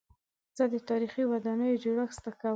زه د تاریخي ودانیو جوړښت زده کوم.